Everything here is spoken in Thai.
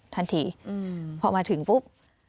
ทันทีพอมาถึงปุ๊บ